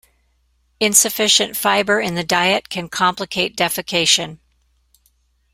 Insufficient fiber in the diet can complicate defecation.